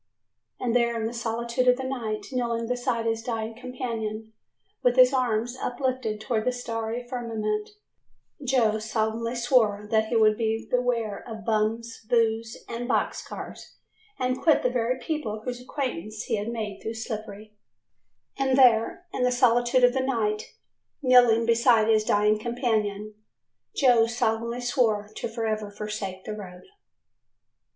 And there in the solitude of the night, kneeling beside his dying companion, with his arms uplifted towards the starry firmament, Joe solemnly swore that he would beware of "Bums, Booze and Boxcars", and quit the very people whose acquaintance he had made through Slippery. [Illustration: And there in the solitude of the night, kneeling beside his dying companion, Joe solemnly swore to forever forsake the "Road."